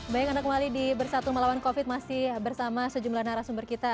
baik anda kembali di bersatu melawan covid masih bersama sejumlah narasumber kita